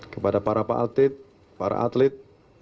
kepada para pak atlet para atlet